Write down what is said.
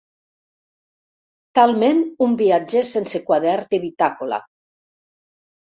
Talment un viatger sense quadern de bitàcola.